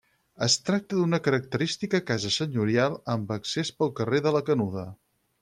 Es tracta d'una característica casa senyorial amb accés pel carrer de la Canuda.